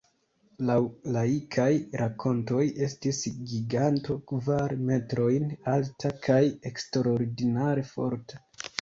Laŭ laikaj rakontoj estis giganto: kvar metrojn alta kaj eksterordinare forta.